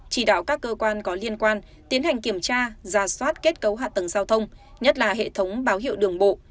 chỉ đạo các cơ quan có liên quan tiến hành kiểm tra ra soát kết cấu hạ tầng giao thông nhất là hệ thống báo hiệu đường bộ